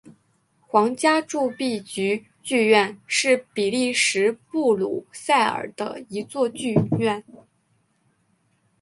皇家铸币局剧院是比利时布鲁塞尔的一座剧院。